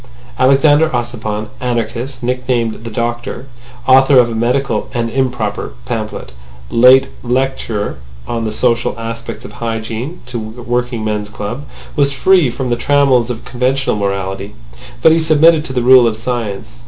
Alexander Ossipon, anarchist, nicknamed the Doctor, author of a medical (and improper) pamphlet, late lecturer on the social aspects of hygiene to working men's clubs, was free from the trammels of conventional morality—but he submitted to the rule of science.